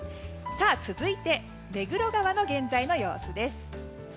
続いて目黒川の現在の様子です。